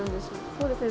そうですね。